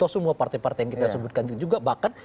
semua partai partai yang kita sebutkan juga bahkan